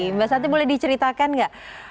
mbak santi boleh diceritakan nggak